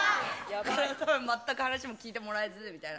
全く話も聞いてもらえずみたいな。